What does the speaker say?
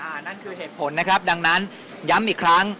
นั่นคือเหตุผลนะครับดังนั้นย้ำอีกครั้ง